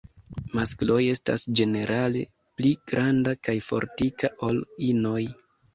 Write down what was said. Maskloj estas ĝenerale pli granda kaj fortika ol inoj.